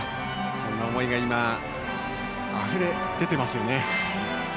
そんな思いが今、あふれ出ていますよね。